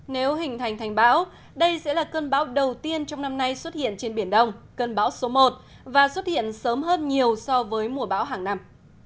nếu hình thành thành báo đây sẽ là cơn báo đầu tiên trong năm nay xuất hiện trên biển đông cơn báo số một và xuất hiện sớm hơn nhiều so với mùa báo hàng năm